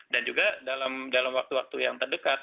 dan juga dalam waktu waktu yang terdekat